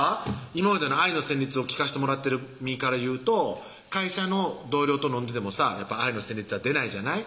今までの愛の旋律を聴かしてもらってる身から言うと会社の同僚と飲んでてもさ愛の旋律は出ないじゃない？